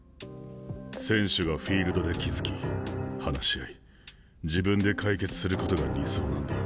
選手がフィールドで気付き話し合い自分で解決することが理想なんだ。